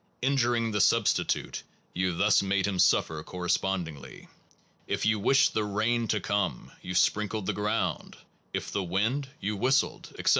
Injuring the substitute, you thus made him suffer correspondingly. If you wished the rain to come, you sprinkled the ground, if the wind, you whistled, etc.